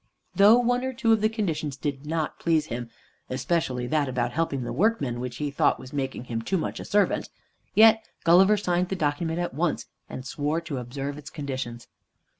Though one or two of the conditions did not please him, especially that about helping the workmen (which he thought was making him too much a servant), yet Gulliver signed the document at once, and swore to observe its conditions.